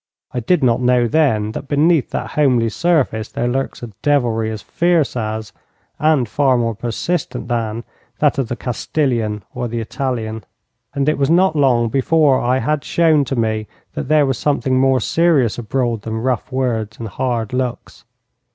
I did not know then that beneath that homely surface there lurks a devilry as fierce as, and far more persistent than, that of the Castilian or the Italian. And it was not long before I had shown to me that there was something more serious abroad than rough words and hard looks.